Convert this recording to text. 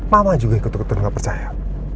mama juga yang ketuk ketuk gak percaya